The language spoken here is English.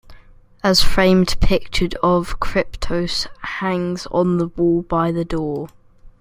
A framed pictured of "Kryptos" hangs on the wall by the door.